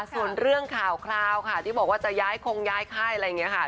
ส่วนเรื่องข่าวคราวค่ะที่บอกว่าจะย้ายคงย้ายค่ายอะไรอย่างนี้ค่ะ